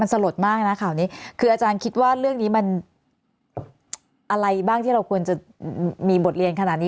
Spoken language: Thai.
สลดมากนะข่าวนี้คืออาจารย์คิดว่าเรื่องนี้มันอะไรบ้างที่เราควรจะมีบทเรียนขนาดนี้